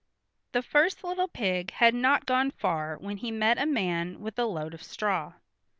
The first little pig had not gone far when he met a man with a load of straw.